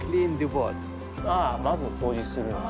まず掃除するんだ。